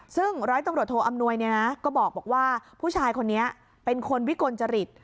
ซึ่งร้อยตำรวจโทอำนวยก็บอกว่าผู้ชายคนนี้เป็นคนวิกลจริต